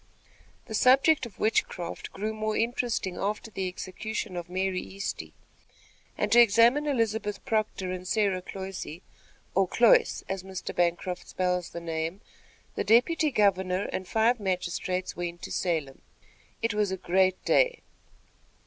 The subject of witchcraft grew more interesting after the execution of Mary Easty, and to examine Elizabeth Proctor and Sarah Cloyse, or Cloyce, as Mr. Bancroft spells the name, the deputy governor and five magistrates went to Salem. It was a great day.